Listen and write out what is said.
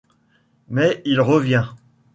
Mais il revient.